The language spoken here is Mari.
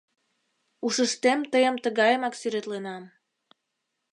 Ушыштем тыйым тыгайымак сӱретленам.